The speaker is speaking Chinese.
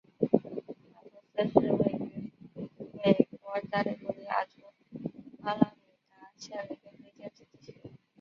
马托斯是位于美国加利福尼亚州阿拉米达县的一个非建制地区。